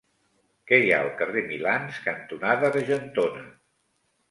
Què hi ha al carrer Milans cantonada Argentona?